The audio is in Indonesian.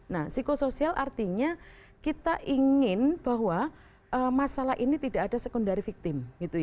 nah psikosoial artinya kita ingin bahwa masalah ini tidak ada secundari victim